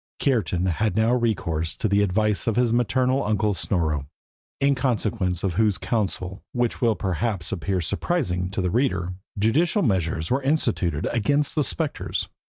Kiartan had now recourse to the advice of his maternal uncle Snorro, in consequence of whose counsel, which will perhaps appear surprising to the reader, judicial measures were instituted against the spectres.